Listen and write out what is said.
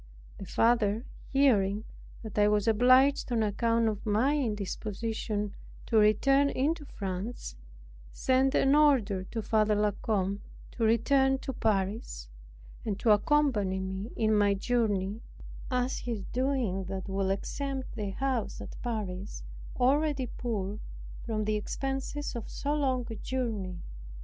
The father, hearing that I was obliged on account of my indisposition to return into France, sent an order to Father La Combe to return to Paris, and to accompany me in my journey, as his doing that would exempt their house at Paris, already poor, from the expenses of so long a journey.